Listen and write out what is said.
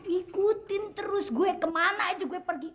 ikutin terus gue kemana aja gue pergi